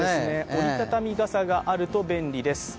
折り畳み傘があると便利です。